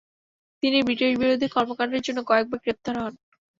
তিনি ব্রিটিশ বিরোধী কর্মকান্ডের জন্য কয়েকবার গ্রেফতার হন।